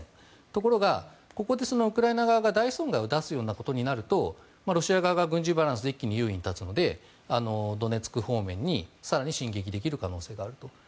ところが、ここでウクライナ側が大損害を出すことになるとロシア側が軍事バランスで一気に優位に立つのでドネツク方面に更に進撃できる可能性があると。